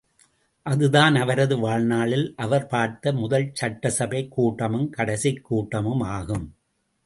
அதுதான் அவரது வாழ்நாளில் அவர் பார்த்த முதல் சட்டசபைக் கூட்டமும் கடைசிக் கூட்டமும் ஆகும்.